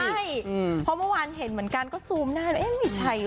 ใช่เพราะเมื่อวานเห็นเหมือนกันก็ซูมหน้าเอ๊ะไม่ใช่ลูกคนนั้น